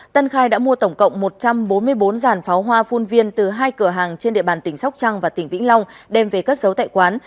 tân khai đã mua tổng cộng một trăm bốn mươi bốn giàn pháo hoa phun viên từ hai cửa hàng trên địa bàn tỉnh sóc trăng và tỉnh vĩnh long đem về cất giấu tại quán